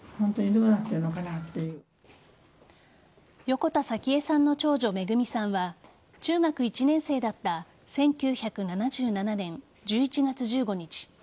横田早紀江さんの長女めぐみさんは中学１年生だった１９７７年１１月１５日